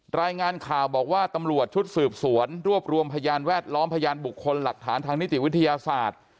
รายงานข่าวบอกว่าตำรวจชุดสืบสวนรวบรวมพยานแวดล้อมพยานบุคคลหลักฐานทางนิติวิทยาศาสตร์